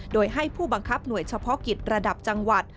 โดยให้ผู้บังคับหน่วยเฉพาะกิจระดับจังหวัด